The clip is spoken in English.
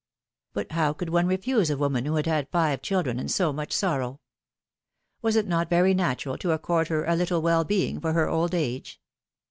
But how could one refuse a woman who had had five children and so much sorrow? Was it not very natural to accord her a little well being for her old age?